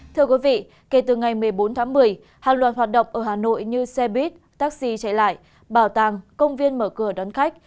thưa quý vị kể từ ngày một mươi bốn tháng một mươi hàng loạt hoạt động ở hà nội như xe buýt taxi chạy lại bảo tàng công viên mở cửa đón khách